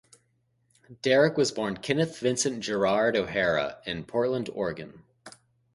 Darreg was born Kenneth Vincent Gerard O'Hara in Portland, Oregon.